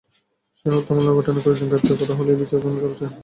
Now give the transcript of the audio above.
সেই হত্যা মামলার ঘটনার কয়েকজন গ্রেপ্তার করা হলেও বিচার এখনো চলছে।